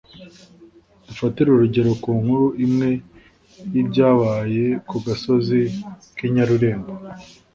dufatire urugero ku nkuru imwe y’ibyabaye ku gasozi k’i nyarurembo.